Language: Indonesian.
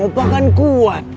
apa kan kuat